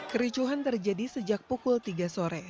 kericuhan terjadi sejak pukul tiga sore